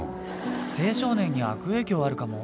青少年に悪影響あるかも。